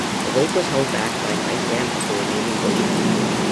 The lake was held back by an ice dam of the remaining glacier.